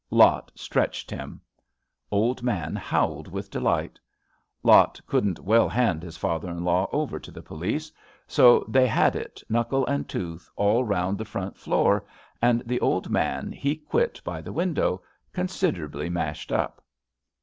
Lot stretched him. Old man howled with delight. Lot couldn't well hand his father in law over to the police, so they had it, knuckle and tooth, all round the front floor, and the old man he quit by the window, considerably mashed up.